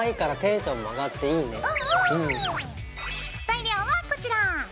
材料はこちら。